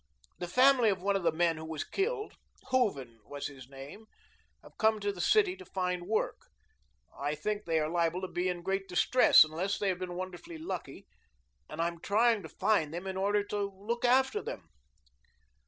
The family of one of the men who was killed Hooven was his name have come to the city to find work. I think they are liable to be in great distress, unless they have been wonderfully lucky, and I am trying to find them in order to look after them."